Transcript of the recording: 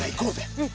うん。